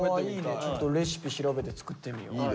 ちょっとレシピ調べて作ってみよう。